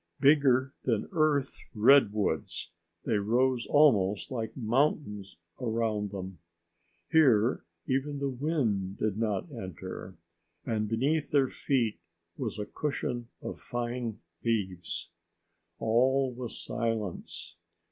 Bigger than Earth redwoods, they rose almost like mountains around them. Here even the wind did not enter, and beneath their feet was a cushion of fine leaves. All was silence.